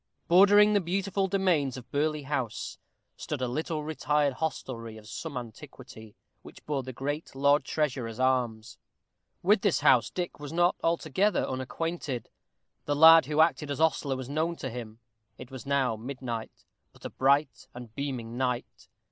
Bordering the beautiful domains of Burleigh House stood a little retired hostelry of some antiquity, which bore the great Lord Treasurer's arms. With this house Dick was not altogether unacquainted. The lad who acted as ostler was known to him. It was now midnight, but a bright and beaming night.